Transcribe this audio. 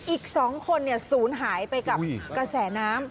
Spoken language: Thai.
อีก๒คนศูนย์หายไปกับกระแสน้ำ